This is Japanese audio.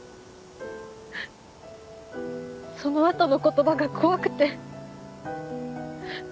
その後の言葉が怖くて。